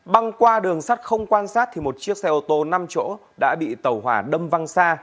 băng qua đường sắt không quan sát thì một chiếc xe ô tô năm chỗ đã bị tàu hỏa đâm văng xa